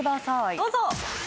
どうぞ！